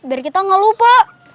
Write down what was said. biar kita ga lupa